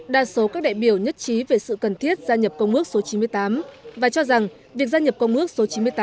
đa số các đại biểu nhất trí về sự cần thiết gia nhập công ước số chín mươi tám và cho rằng việc gia nhập công ước số chín mươi tám